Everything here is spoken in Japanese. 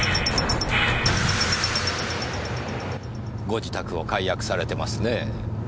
ご自宅を解約されてますねぇ。